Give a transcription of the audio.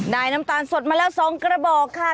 น้ำตาลสดมาแล้ว๒กระบอกค่ะ